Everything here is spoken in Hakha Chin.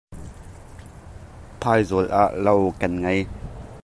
Phaizawl ah lo kan ngei.